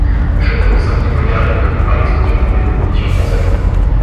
Le château Saint-Denis–Polliard est détruit par l’explosion du dépôt de munitions français.